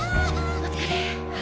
お疲れ！